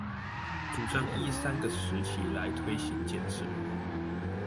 主張依三個時期來推行建設